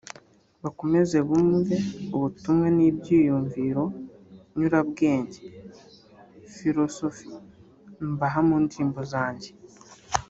Bakomeze bumve ubutumwa n’ibyiyumviro nyurabwenge (Philosophy) mbaha mu ndirimbo zanjye